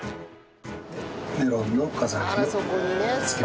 メロンの飾りをつけます。